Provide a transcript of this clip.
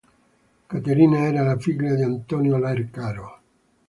Caterina era la figlia di Antonio Lercaro.